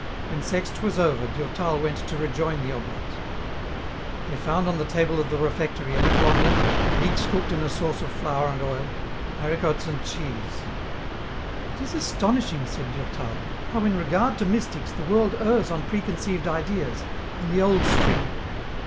When Sext was over Durtal went to rejoin the oblate. They found on the table of the refectory a little omelette, leeks cooked in a sauce of flour and oil, haricots and cheese. " It is astonishing," said Durtal, " how in regard to mystics, the world errs on preconceived ideas, on the old string.